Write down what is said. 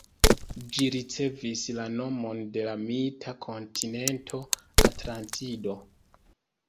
Ĝi ricevis la nomon de la mita kontinento Atlantido.